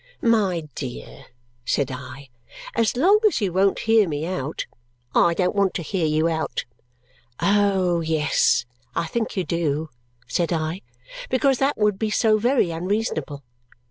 "My dear," said I, "as long as you won't hear me out " "I don't want to hear you out." "Oh, yes, I think you do," said I, "because that would be so very unreasonable.